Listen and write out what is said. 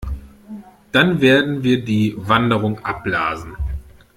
Dann werden wir die Wanderung abblasen.